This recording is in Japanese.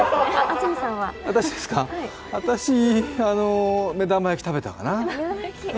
私は目玉焼き食べたかな。